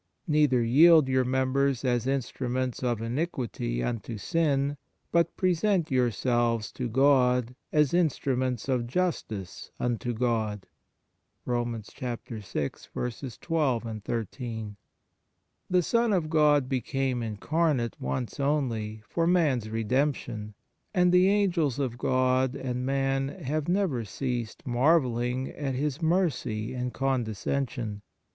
Neither yield your members as instruments of iniquity unto sin, but present yourselves to God ... as instru ments of justice unto God." 1 The Son of God became incarnate once only, for man s redemption, and the Angels of God, and man, have never ceased mar velling at His mercy and condescension.